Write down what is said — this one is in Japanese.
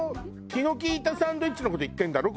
気の利いたサンドイッチの事言ってんだろ？